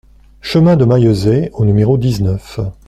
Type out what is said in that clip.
Chemin de Maillezais au numéro dix-neuf